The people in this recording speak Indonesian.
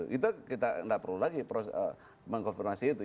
kita tidak perlu lagi mengkonfirmasi itu